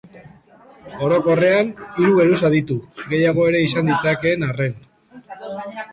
Orokorrean hiru geruza ditu, gehiago ere izan ditzakeen arren.